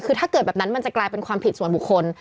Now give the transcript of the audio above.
คือถ้าเกิดแบบนั้นมันจะกลายเป็นความผิดส่วนบุคคล